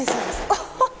あっ！